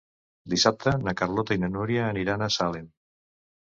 Dissabte na Carlota i na Núria aniran a Salem.